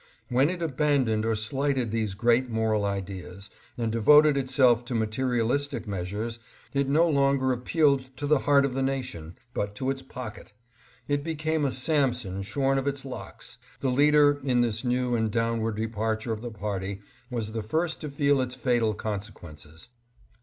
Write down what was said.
When it abandoned or slighted these great moral ideas and devoted itself to materialistic measures, it no longer appealed to the heart of the nation, but to its pocket. It became a Samson shorn of its locks. The leader in this new and downward departure of the party was the first to feel its fatal consequences.